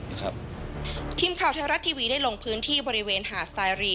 ทีมข่าวไทยรัฐทีวีได้ลงพื้นที่บริเวณหาดสายรี